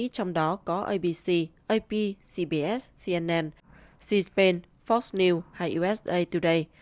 trong đó có abc ap cbs cnn c span fox news hay usa today